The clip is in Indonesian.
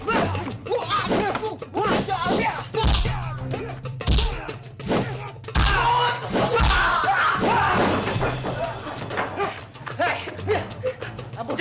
apa kan aku sudah mengapa saja